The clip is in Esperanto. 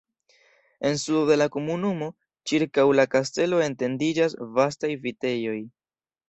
En sudo de la komunumo ĉirkaŭ la kastelo etendiĝas vastaj vitejoj.